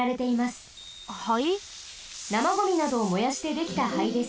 なまゴミなどを燃やしてできた灰です。